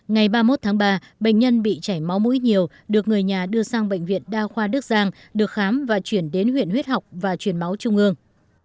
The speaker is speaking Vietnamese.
ngày ba mươi một tháng ba bệnh nhân bị chảy máu mũi nhiều được người nhà đưa sang bệnh viện đa khoa đức giang được khám và chuyển đến huyện huyết học và truyền máu trung ương